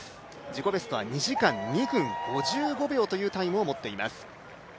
自己ベストは２時間２分５５秒というタイムを持っています。